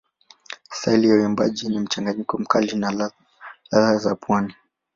Staili ya uimbaji ni mchanganyiko mkali na ladha za pwani.